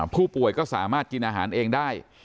ผู้ป่วยก็สามารถกินอาหารเองได้